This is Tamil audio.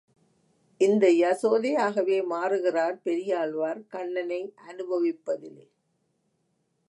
இந்த யசோதையாகவே மாறுகிறார் பெரியாழ்வார் கண்ணனை அனுபவிப்பதிலே.